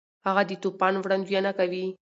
هغه د طوفان وړاندوینه کوي.